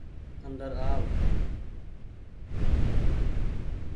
اندر آو۔